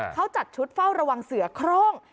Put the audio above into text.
เขาจัดชุดเฝ้าระวังเสือโครง